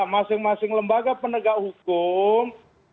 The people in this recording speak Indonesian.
masing masing lembaga penegak hukum